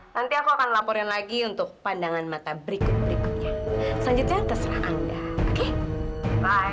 nanti aku akan laporin lagi untuk pandangan mata berikut berikutnya selanjutnya terserah anda oke baik